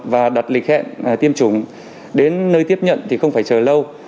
và đặt lịch hẹn tiêm chủng đến nơi tiếp nhận thì không phải chờ lâu